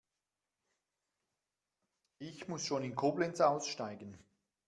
Ich muss schon in Koblenz aussteigen